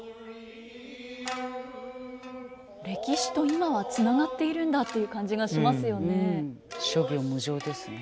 歴史と今はつながっているんだという感じがしますよね。